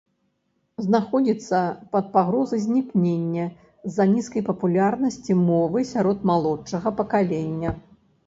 Знаходзіцца пад пагрозай знікнення з-за нізкай папулярнасці мовы сярод малодшага пакалення.